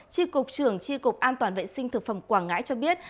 tri cục trưởng tri cục an toàn vệ sinh thực phẩm quảng ngãi cho biết